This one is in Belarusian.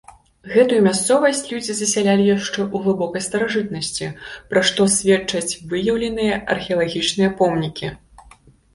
Гэтую мясцовасць людзі засялілі яшчэ ў глыбокай старажытнасці, пра што сведчаць выяўленыя археалагічныя помнікі.